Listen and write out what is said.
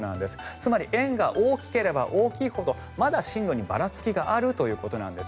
つまり円が大きければ大きいほどまだ進路にばらつきがあるということなんです。